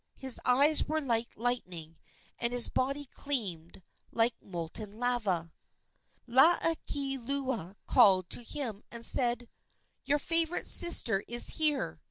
His eyes were like lightning, and his body gleamed like molten lava. Laukieleula called to him and said: "Your favorite sister is here."